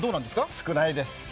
少ないです。